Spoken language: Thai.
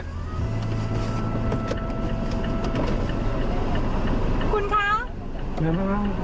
คุณคร้าว